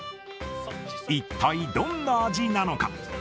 一体どんな味なのか。